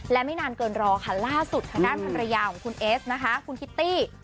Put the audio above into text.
และไม่นานเกินรอค่ะล่าสุดทางด้านภรรยาของคุณเอสนะคะคุณคิตตี้